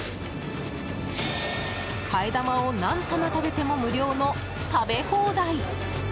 替え玉を何玉食べても無料の食べ放題！